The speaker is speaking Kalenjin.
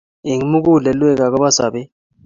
Eng mugulelwek ago sobet